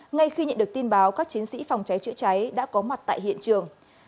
ngay khi nhận được tin báo các chiến sĩ phòng cháy chữa cháy đã có mặt tại hiện trường